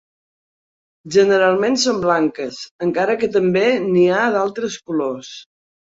Generalment són blanques, encara que també n'hi ha d'altres colors.